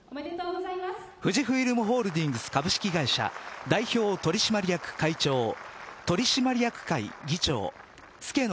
富士フイルムホールディングス株式会社代表取締役社長取締役会議長助野